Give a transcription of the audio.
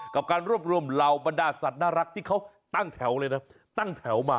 กับการรวบรวมเหล่าบรรดาสัตว์น่ารักที่เขาตั้งแถวเลยนะตั้งแถวมา